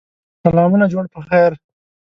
سلامونه جوړ په خیر!